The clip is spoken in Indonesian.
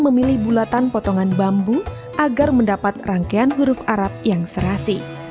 memilih bulatan potongan bambu agar mendapat rangkaian huruf arab yang serasi